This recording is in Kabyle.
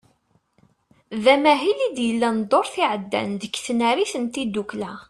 D amahil i d-yellan ddurt iɛeddan deg tnarit n tiddukla.